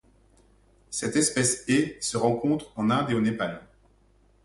Cette espèce est se rencontre en Inde et au Népal.